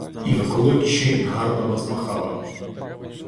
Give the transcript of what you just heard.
І в клоччі гарно розмахала